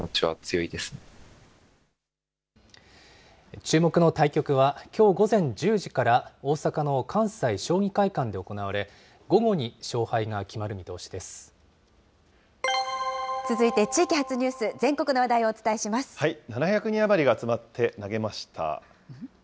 注目の対局は、きょう午前１０時から大阪の関西将棋会館で行われ、午後に勝敗が続いて地域発ニュース、全国７００人余りが集まって投げました。